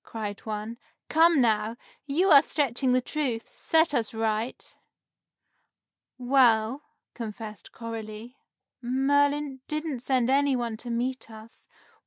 cried one. "Come, now! You are stretching the truth! Set us right!" "Well," confessed Coralie, "Merlin didn't send any one to meet us.